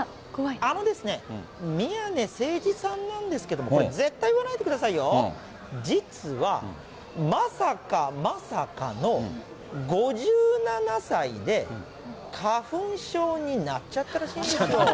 あのですね、宮根誠司さんなんですけれども、これ、絶対言わないでくださいよ、実は、まさかまさかの５７歳で花粉症になっちゃったらしいんですよ。